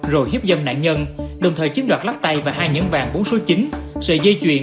rồi hiếp dâm nạn nhân đồng thời chiếm đoạt lắc tay và hai nhẫn vàng bốn số chín sợi dây chuyền